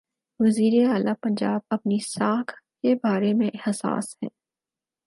وزیر اعلی پنجاب اپنی ساکھ کے بارے میں حساس ہیں۔